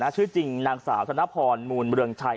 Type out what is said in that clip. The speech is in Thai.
ชื่อจริงนางสาวธนพรมูลเมืองชัย